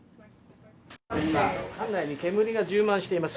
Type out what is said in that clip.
今、艦内に煙が充満しています。